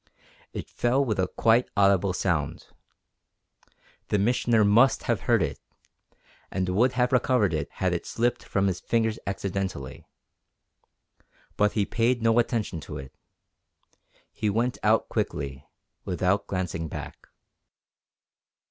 It fell with a quite audible sound. The Missioner must have heard it, and would have recovered it had it slipped from his fingers accidentally. But he paid no attention to it. He went out quickly, without glancing back.